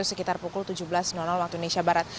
sekitar pukul tujuh belas waktu indonesia barat